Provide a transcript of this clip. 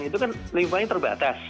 itu kan lingkungannya terbatas